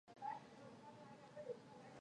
之后几个赛季格林转辗多支球队。